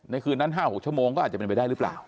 คืนนั้น๕๖ชั่วโมงก็อาจจะเป็นไปได้หรือเปล่า